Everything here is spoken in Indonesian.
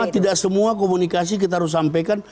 tidak semua komunikasi kita harus sampaikan